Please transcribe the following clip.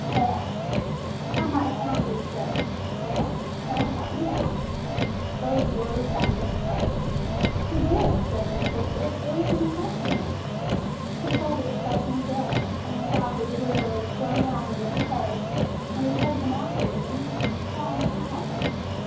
"Pah! How might a houn' do such?" "Well, Pal got me out." "Those words I mistrust." "He did," Jeff insisted. "It was in Cressman " He told of the Cressman jail and of how he was literally thrown out of it because, when he played the mouth organ, Pal howled.